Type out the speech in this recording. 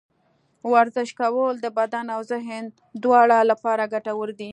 ورزش کول د بدن او ذهن دواړه لپاره ګټور دي.